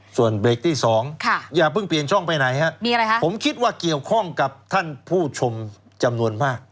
ส่วนเบรกที่๒อย่าเพิ่งเปลี่ยนช่องไปไหนฮะผมคิดว่าเกี่ยวข้องกับท่านผู้ชมจำนวนมาก